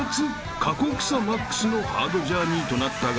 ［過酷さマックスのハードジャーニーとなったが］